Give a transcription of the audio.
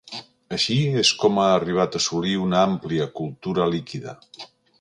Així és com ha arribat a assolir una àmplia cultura líquida.